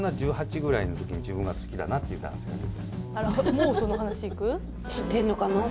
もうその話いく？